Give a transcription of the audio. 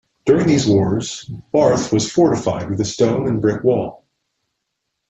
During these wars, Barth was fortified with a stone and brick wall.